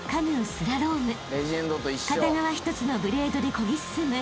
［片側１つのブレードでこぎ進む］